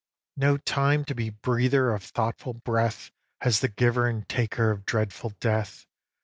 ] No time to be "breather of thoughtful breath" Has the giver and taker of dreadful death.